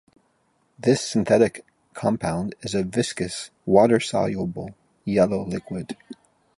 This synthetic compound is a viscous, water-soluble yellow liquid.